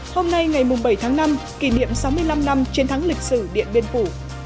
hôm nay ngày bảy tháng năm kỷ niệm sáu mươi năm năm chiến thắng lịch sử điện biên phủ